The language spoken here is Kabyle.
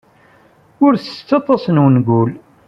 Ur ttett aṭas n wengul.